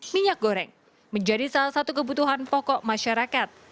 minyak goreng menjadi salah satu kebutuhan pokok masyarakat